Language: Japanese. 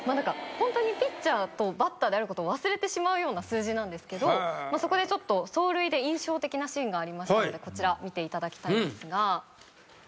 ホントにピッチャーとバッターであることを忘れてしまうような数字なんですけどそこでちょっと走塁で印象的なシーンがありましたのでこちら見ていただきたいんですが。